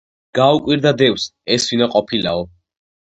გაუკვირდა დევს, ეს ვინა ყოფილაო?!